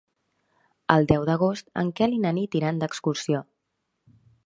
El deu d'agost en Quel i na Nit iran d'excursió.